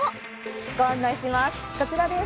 ご案内します